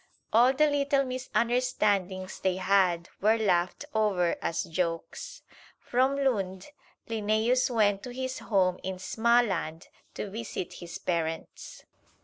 All the little misunderstandings they had were laughed over as jokes. From Lund, Linnæus went to his home in Smaland to visit his parents.